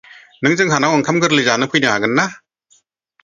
नों जोंहानाव ओंखाम गोरलै जानो फैनो हागोन ना?